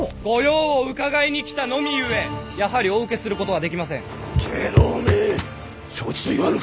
御用を伺いに来たのみゆえやはりお受けすることはできません。